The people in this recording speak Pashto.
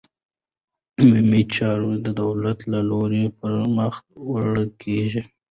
عمومي چارې د دولت له لوري پرمخ وړل کېږي.